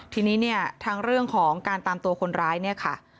ทีนี้เนี่ยทางเรื่องของการตามตัวคนร้ายเนี่ยค่ะ